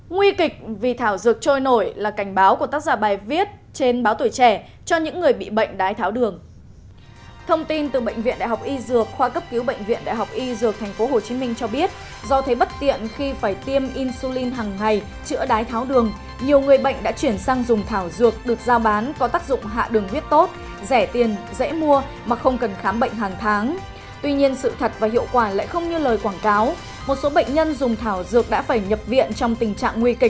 nguy kịch vì thảo dược trôi nổi là cảnh báo của tác giả bài viết trên báo tuổi trẻ cho những người bị bệnh đái tháo đường